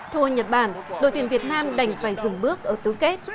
thua nhật bản đội tuyển việt nam đành phải dừng bước ở tứ kết